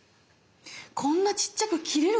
こんなちっちゃく切れるか？